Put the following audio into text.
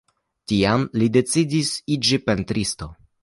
Tiam li decidis iĝi pentristo.